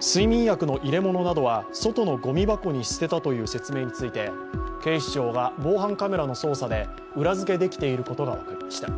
睡眠薬の入れ物などは外のごみ箱に捨てたという説明について警視庁が防犯カメラの捜査で裏付けできていることが分かりました。